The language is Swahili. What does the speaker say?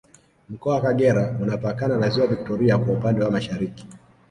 Mkoa wa Kagera unapakana na Ziwa Victoria kwa upande wa Mashariki